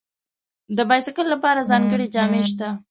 د بایسکل لپاره ځانګړي جامې شته.